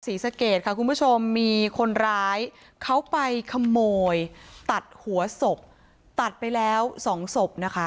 ศรีสะเกดค่ะคุณผู้ชมมีคนร้ายเขาไปขโมยตัดหัวศพตัดไปแล้วสองศพนะคะ